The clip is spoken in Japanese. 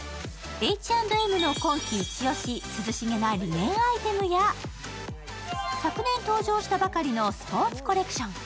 Ｈ＆Ｍの今季イチ押し、涼しげなリネンアイテムや昨年登場したばかりのスポーツコレクション